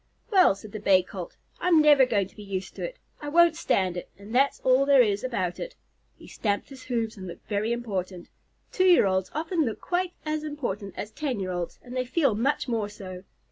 "Well," said the Bay Colt, "I'm never going to be used to it. I won't stand it, and that's all there is about it." He stamped his hoofs and looked very important. Two year olds often look quite as important as ten year olds, and they feel much more so.